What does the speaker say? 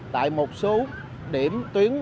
tại một số điểm tuyến